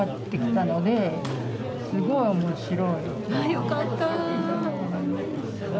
よかった。